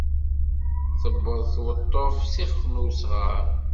Tewweḍ tweṭṭuft s ixef n usɣaṛ.